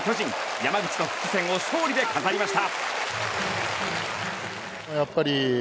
山口の復帰戦を勝利で飾りました。